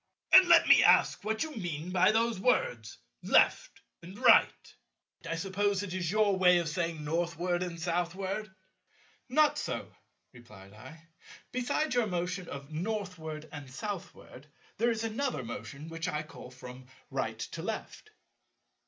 And let me ask what you mean by those words 'left' and 'right.' I suppose it is your way of saying Northward and Southward." "Not so," replied I; "besides your motion of Northward and Southward, there is another motion which I call from right to left."